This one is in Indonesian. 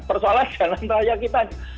persoalan jalan raya kita